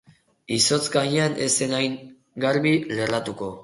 Izotz gainean ez zen hain garbi lerratuko.